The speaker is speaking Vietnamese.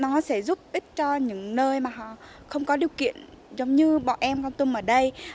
nó sẽ giúp ích cho những nơi mà họ không có điều kiện giống như bọn em con tum ở đây